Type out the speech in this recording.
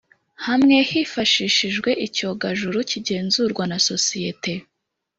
hamwe hifashishijwe icyogajuru kigenzurwa na sosiyeti